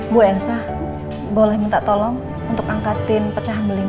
buensa boleh minta tolong untuk angkatin pecahan